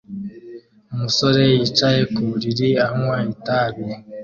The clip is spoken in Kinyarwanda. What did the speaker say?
Umusore yicaye ku buriri anywa itabi